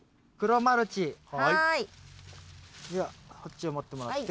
ではそっちを持ってもらって。